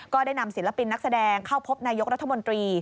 ก็ได้นำศิลปินนักแสดงเข้าพบนายกรัฐมนตรี